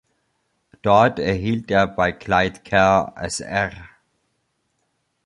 Dort erhielt er bei Clyde Kerr Sr.